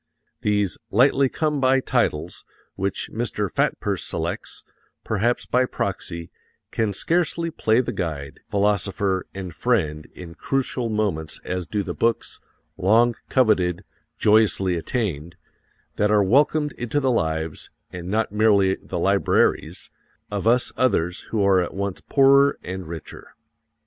These lightly come by titles, which Mr. Fatpurse selects, perhaps by proxy, can scarcely play the guide, philosopher and friend in crucial moments as do the books long coveted, joyously attained that are welcomed into the lives, and not merely the libraries, of us others who are at once poorer and richer.